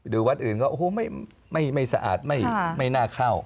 ดูวัดอื่นก็ไม่สะอาดไม่น่าเข้า